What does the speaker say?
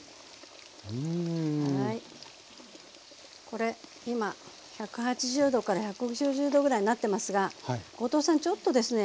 これ今１８０℃から１９０℃ぐらいになってますが後藤さんちょっとですね